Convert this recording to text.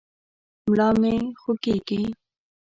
ملا مې خوږېږي.